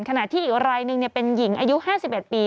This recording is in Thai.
ขณะที่อีกรายหนึ่งเป็นหญิงอายุ๕๑ปี